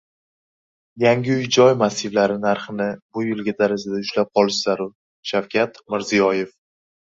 Yangi uy-joy massivlari narxini bu yilgi darajada ushlab qolish zarur — Shavkat Mirziyoyev